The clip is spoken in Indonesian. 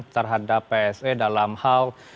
terhadap psn dalam hal